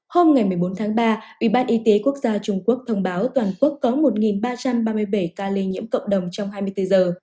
hôm ngày một mươi bốn tháng ba ủy ban y tế quốc gia trung quốc thông báo toàn quốc có một ba trăm ba mươi bảy ca lây nhiễm cộng đồng trong hai mươi bốn giờ